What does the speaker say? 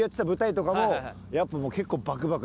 やっぱ結構。